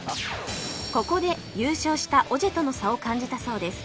ここで優勝したオジェとの差を感じたそうです